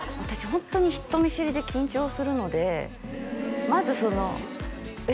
ホントに人見知りで緊張するのでえ